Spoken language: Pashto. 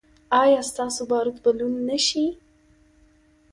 ایا ستاسو باروت به لوند نه شي؟